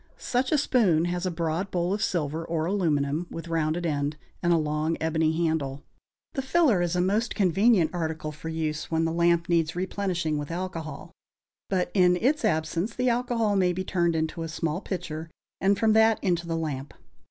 Such a spoon has a broad bowl of silver or aluminum, with rounded end, and a long ebony handle. The filler is a most convenient article for use, when the lamp needs replenishing with alcohol, but in its absence the alcohol may be turned into a small pitcher and from that into the lamp.